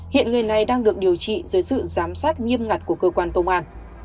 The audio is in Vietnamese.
hiện người này đang được điều trị dưới sự giám sát nghiêm ngặt của cơ quan công an